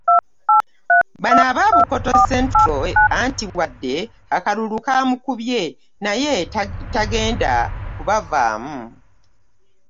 Bano aba Bukoto Central nti wadde akalulu kamukubye naye tagenda kubavaamu,